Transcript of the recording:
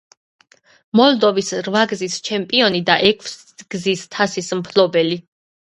მოლდოვის რვაგზის ჩემპიონი და ექვსგზის თასის მფლობელი.